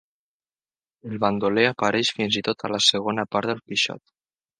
El bandoler apareix fins i tot a la segona part del Quixot.